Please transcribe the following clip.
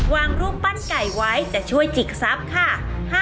รูปปั้นไก่ไว้จะช่วยจิกทรัพย์ค่ะ